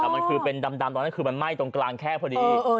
มันเป็นดำแต่ตอนนั้นมันไหม้ตรงกลางแคร่พอดี